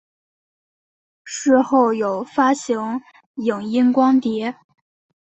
事后有发行影音光碟。